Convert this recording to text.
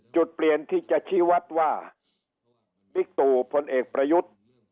จุดเปลี่ยนที่จะชี้วัดว่าบิ๊กตู่พลเอกประยุทธ์